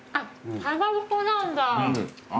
かまぼこなんだ。